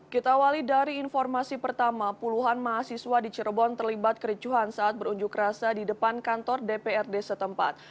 kita awali dari informasi pertama puluhan mahasiswa di cirebon terlibat kericuhan saat berunjuk rasa di depan kantor dprd setempat